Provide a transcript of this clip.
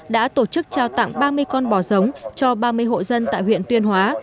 đã tổ chức trao tặng ba mươi con bò giống cho ba mươi hộ dân tại huyện tuyên hóa